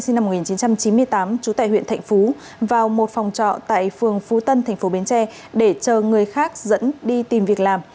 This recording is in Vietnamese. sinh năm một nghìn chín trăm chín mươi tám trú tại huyện thạnh phú vào một phòng trọ tại phường phú tân tp bến tre để chờ người khác dẫn đi tìm việc làm